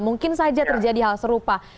mungkin saja terjadi hal serupa